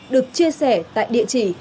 được chia sẻ tại địa chỉ